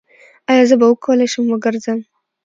ایا زه به وکولی شم وګرځم؟